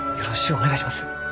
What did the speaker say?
お願いします。